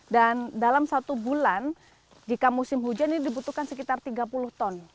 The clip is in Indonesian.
dan dalam satu bulan jika musim hujan ini dibutuhkan sekitar tiga puluh ton